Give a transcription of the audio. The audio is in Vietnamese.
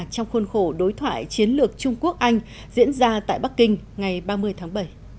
trong khuôn khổ đối thoại chiến lược trung quốc anh diễn ra tại bắc kinh ngày ba mươi tháng bảy